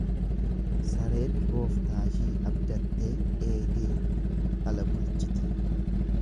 Sareen gooftaashii abdattee eegee ala bulchiti.